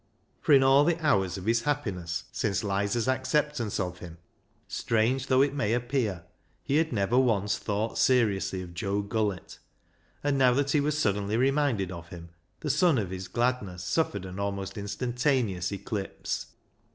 For, in all the hours of his happiness since Lizer's acceptance of him, strange though it may appear, he had never once thought seriously of Joe Gullett, and now that he was suddenly reminded of him, the sun of his gladness suffered an almost instantaneous eclipse.